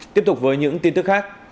tiếp tục với những tin tức khác